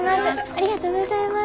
ありがとうございます。